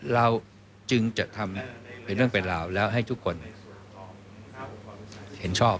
เราจึงจะทำเป็นเรื่องเป็นราวแล้วให้ทุกคนเห็นชอบ